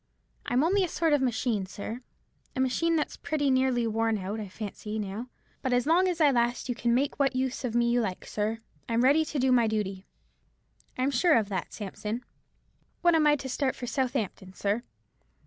I'm only a sort of machine, sir—a machine that's pretty nearly worn out, I fancy, now—but as long as I last you can make what use of me you like, sir. I'm ready to do my duty." "I am sure of that, Sampson." "When am I to start for Southampton, sir?"